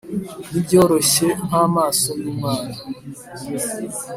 nibyoroshye nk'amaso yumwana